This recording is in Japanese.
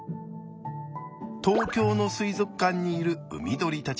東京の水族館にいる海鳥たちです。